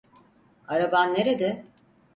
Araban nerede?